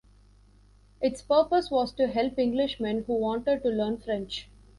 Its purpose was to help Englishmen who wanted to learn French.